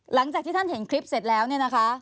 หลังจากที่ท่านเห็นคลิปเสร็จแล้วเนี่ยนะคะ